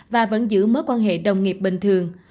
và vẫn giữ mối quan hệ đồng nghiệp bình thường